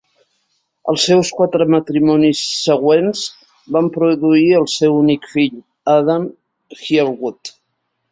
Els seus quatre matrimonis següents van produir el seu únic fill, Adam Gielgud.